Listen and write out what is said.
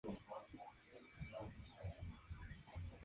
Uno de sus hijos fue el actor Edward Albert.